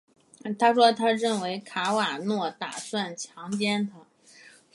她说她认为卡瓦诺打算强奸她。